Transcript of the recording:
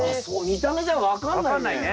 見た目じゃ分かんないね。